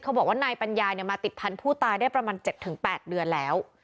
เธอบอกว่านายปัญญาเนี่ยมาติดภัณฑ์ผู้ตายได้ประมาณ๗ถึง๘เดือนแล้ว